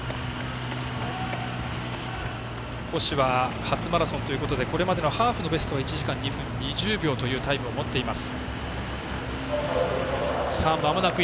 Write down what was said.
星は初マラソンということでこれまでのハーフのベスト１時間２２分２０秒というタイムを持っています。